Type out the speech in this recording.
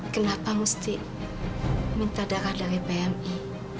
kenapa mesti minta darah dari pmi